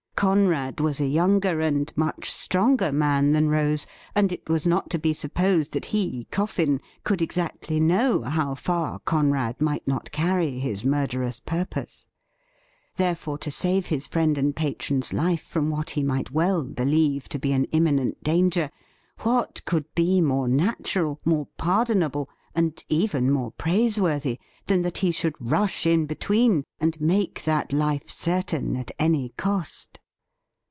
Conrad was a younger and much stronger man than Rose, and it was not to be supposed that he. Coffin, could exactly know how far Conrad might not carry his murderous purpose. Therefore, to save his fipend and patron's life from what he might well believe to be an imminent danger, what could be more natural, more pardon able, and even more praiseworthy, than that he should rush in between, and make that life certain at any cost